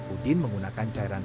udin menggunakan cairan rubisnya